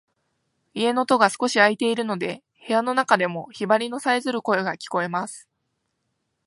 家の戸が少し開いているので、部屋の中でもヒバリのさえずる声が聞こえます。